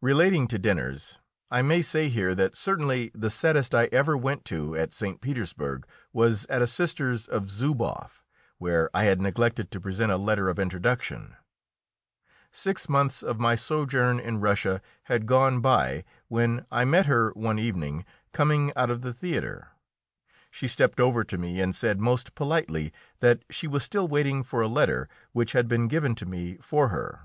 Relating to dinners, I may say here that certainly the saddest I ever went to at St. Petersburg was at a sister's of Zuboff, where I had neglected to present a letter of introduction. Six months of my sojourn in Russia had gone by, when I met her one evening coming out of the theatre. She stepped over to me and said most politely that she was still waiting for a letter which had been given to me for her.